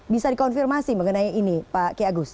bisa dikonfirmasi mengenai ini pak ki agus